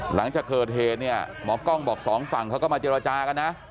หลังจากเกิดเหตุเนี่ยหมอกล้องบอกสองฝั่งเขาก็มาเจรจากันนะ